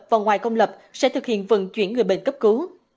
và ngoài công lập sẽ thực hiện vận chuyển người bệnh cấp cứu